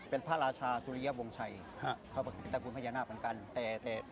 เป็นพระราชาสุริยบงชัยเขาเป็นตระกูลพญานาคเหมือนกัน